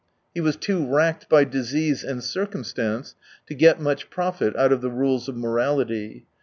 He was too racked by disease and circum stance to get much profit out of the rules of morality.